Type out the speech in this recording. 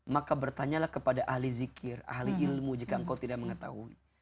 maka bertanyalah kepada ahli zikir ahli ilmu jika engkau tidak mengetahui